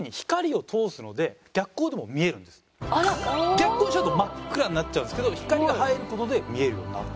逆光にしちゃうと真っ暗になっちゃうんですけど光が入る事で見えるようになる。